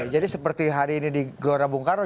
jadi seperti hari ini di gora bung karo